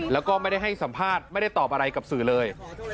แล้วก็ไม่ได้ให้สัมภาษณ์ไม่ได้ตอบอะไรกับสื่อเลย